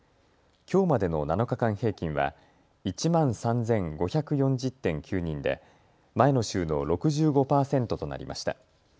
きょうまでの７日間平均は１万３５４０．９人で前の週の６５％となりました。